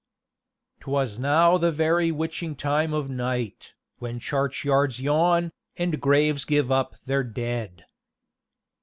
'Twas now the very witching time of night, When churchyards yawn, and graves give up their dead.